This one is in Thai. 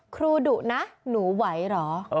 ครูดุนะหนูไหวหรอ